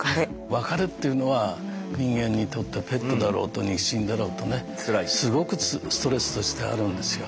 別れというのは人間にとってペットだろうと肉親だろうとねすごくストレスとしてあるんですよ。